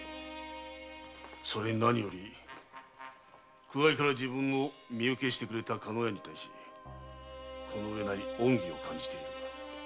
それに何より苦界から自分を身請けしてくれた加納屋に対しこのうえない恩義を感じている。